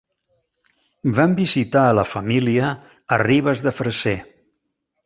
Vam visitar la família a Ribes de Freser.